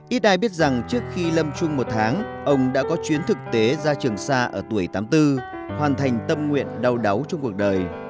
ít ai biết rằng trước khi lâm trung một tháng ông đã có chuyến thực tế ra trường xa ở tuổi tám mươi bốn hoàn thành tâm nguyện đau đáu trong cuộc đời